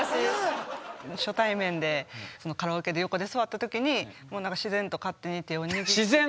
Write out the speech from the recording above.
初対面でそのカラオケで横で座った時に自然と勝手に。